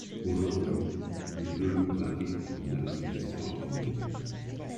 Aujourd’hui, plus de pratiquent une activité sportive.